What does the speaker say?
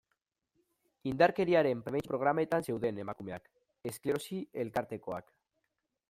Indarkeriaren prebentzio programetan zeuden emakumeak, esklerosi elkartekoak...